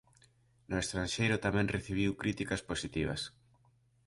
No estranxeiro tamén recibiu críticas positivas.